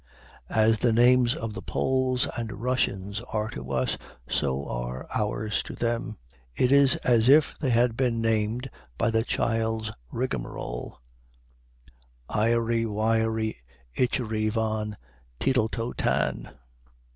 As the names of the Poles and Russians are to us, so are ours to them. It is as if they had been named by the child's rigmarole, Iery wiery ichery van, tittle tol tan.